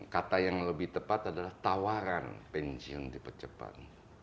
kata yang lebih tepat adalah tawaran pensiun di percepat